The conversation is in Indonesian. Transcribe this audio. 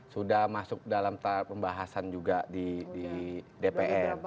sudah masuk dalam pembahasan juga di dpr